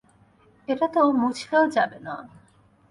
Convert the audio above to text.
এটা তো মুছলেও যাবে না।